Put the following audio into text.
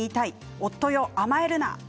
夫よ、甘えるな！